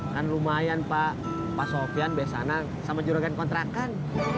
kan lumayan pak pak sofyan besanan sama juragan kontrakan